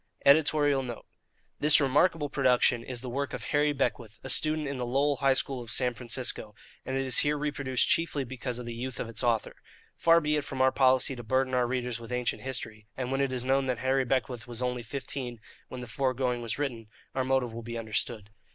[EDITORIAL NOTE. This remarkable production is the work of Harry Beckwith, a student in the Lowell High School of San Francisco, and it is here reproduced chiefly because of the youth of its author. Far be it from our policy to burden our readers with ancient history; and when it is known that Harry Beckwith was only fifteen when the fore going was written, our motive will be understood.